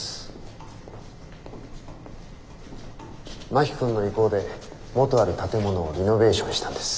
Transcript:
真木君の意向で元ある建物をリノベーションしたんです。